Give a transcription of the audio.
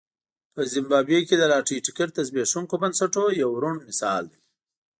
په زیمبابوې کې د لاټرۍ ټکټ د زبېښونکو بنسټونو یو روڼ مثال دی.